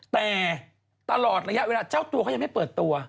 แต่ตลอดระยะเวลาเจ้าตัวเขายังไม่เปิดตัว